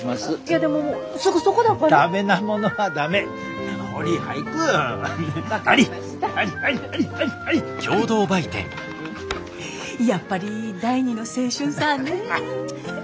やっぱり第二の青春さぁねぇ。